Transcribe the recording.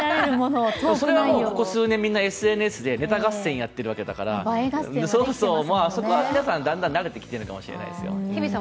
それはここ数年、みんなＳＮＳでネタ合戦やっているわけだから、それこそそこは皆さんだんだん慣れているのかもしれないですよ。